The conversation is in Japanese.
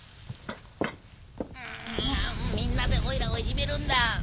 みんなでオイラをいじめるんだ！